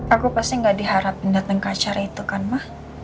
aku pasti gak diharapin datang ke acara itu kan mah